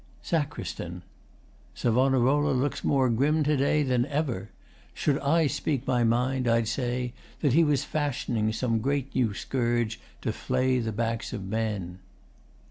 SACR. Savonarola looks more grim to day Than ever. Should I speak my mind, I'd say That he was fashioning some new great scourge To flay the backs of men.